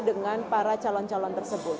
dengan para calon calon tersebut